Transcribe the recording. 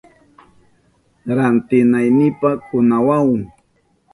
Rantinaynipa kunawahun.